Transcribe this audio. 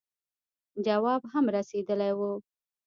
جواب هم رسېدلی وو.